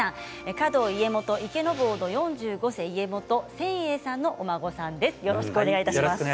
華道家元、池坊の四十五世家元専永さんのお孫さんです。